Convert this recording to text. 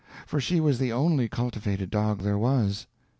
for she was the only cultivated dog there was.